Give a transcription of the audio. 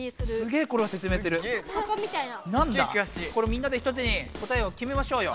みんなで１つに答えをきめましょうよ。